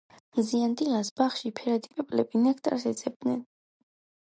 მზიან დილას ბაღში ფერადი პეპლები ნექტარს ეძებდნენ.